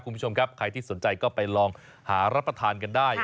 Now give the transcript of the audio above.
คุณผู้ชมครับใครที่สนใจก็ไปลองหารับประทานกันได้